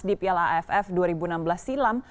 di piala aff dua ribu enam belas silam